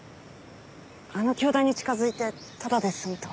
あの教団に近づいてタダで済むとは。